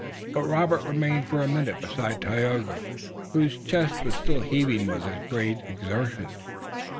But Robert remained for a minute beside Tayoga, whose chest was still heaving with his great exertions.